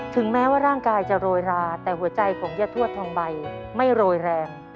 ถึงแม้ว่าร่างกายจะโรยราแต่หัวใจของยะทวดทองใบไม่โรยแรง